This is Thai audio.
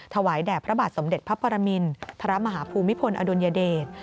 ถวายแด่พระบาทสมเด็จพระปรมินทรมาฮภูมิพลอดุลยเดช